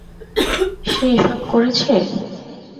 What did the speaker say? সে এসব করেছে!